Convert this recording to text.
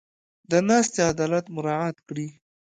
د ناستې عدالت مراعت کړي.